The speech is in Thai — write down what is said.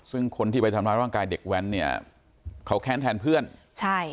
ซึ่งคนที่ไปทำร้ายร่างกายเด็กแว้นเนี่ยเขาแค้นแทนเพื่อนใช่